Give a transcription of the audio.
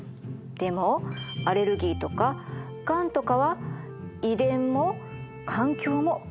でもアレルギーとかがんとかは遺伝も環境も関係してるの。